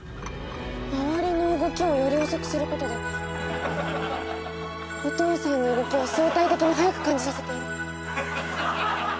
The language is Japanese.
⁉周りの動きをより遅くすることでお父さんの動きを相対的に速く感じさせている。